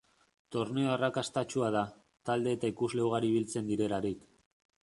Torneo arrakastatsua da, talde eta ikusle ugari biltzen direlarik.